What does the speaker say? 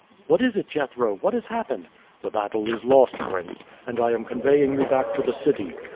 "What is it, Jethro? What has happened?" "The battle is lost, prince, and I am conveying you back to the city.